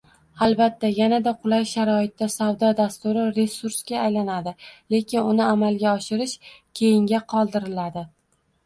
Albatta, yanada qulay sharoitda, savdo dasturi resursga aylanadi, lekin uni amalga oshirish keyinga qoldiriladi